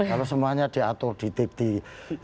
kalau semuanya diatur ditibis